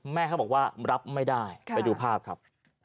แม่เขาบอกว่ารับไม่ได้ไปดูภาพครับ